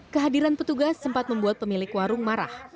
kehadiran petugas sempat membuat pemilik warung marah